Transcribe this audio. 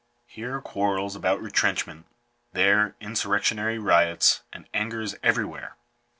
Here are quarrels about retrenchment ; there, insurrectionary riots ; and anger is everywhere.